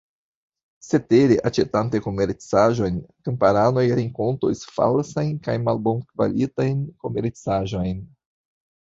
Cetere, aĉetante komercaĵojn, kamparanoj renkontos falsajn kaj malbonkvalitajn komercaĵojn.